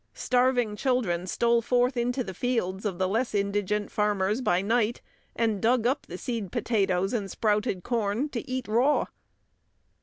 Starving children stole forth into the fields of the less indigent farmers by night, and dug up the seed potatoes and sprouted corn to eat raw.